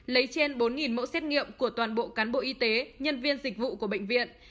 lấy trên bốn mẫu xét nghiệm của toàn bộ cán bộ y tế nhân viên dịch vụ của bệnh viện